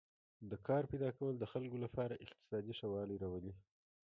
د کار پیدا کول د خلکو لپاره اقتصادي ښه والی راولي.